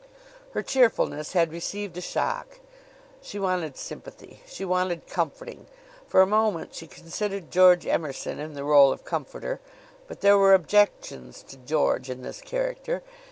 Her cheerfulness had received a shock. She wanted sympathy. She wanted comforting. For a moment she considered George Emerson in the role of comforter; but there were objections to George in this character.